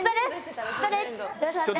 ストレッチ。